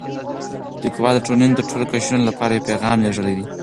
لیکوال د ټولنې د ټولو قشرونو لپاره یو پیغام لېږلی دی.